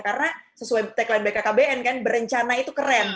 karena sesuai tagline bkkbn kan berencana itu keren